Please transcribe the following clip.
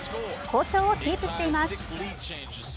好調をキープしています。